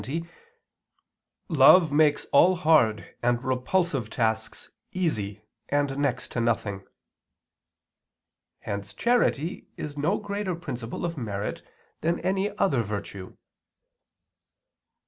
lxx), "love makes all hard and repulsive tasks easy and next to nothing." Hence charity is no greater principle of merit than any other virtue.